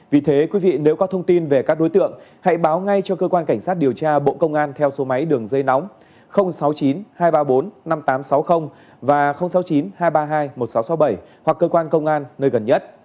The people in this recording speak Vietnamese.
vì thế quý vị nếu có thông tin về các đối tượng hãy báo ngay cho cơ quan cảnh sát điều tra bộ công an theo số máy đường dây nóng sáu mươi chín hai trăm ba mươi bốn năm nghìn tám trăm sáu mươi và sáu mươi chín hai trăm ba mươi hai một nghìn sáu trăm sáu mươi bảy hoặc cơ quan công an nơi gần nhất